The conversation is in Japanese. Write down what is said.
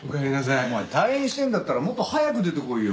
お前退院してるんだったらもっと早く出てこいよ。